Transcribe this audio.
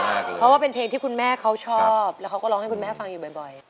เพราะว่าเป็นเพลงที่คุณแม่เขาชอบแล้วเขาก็ร้องให้คุณแม่ฟังอยู่บ่อย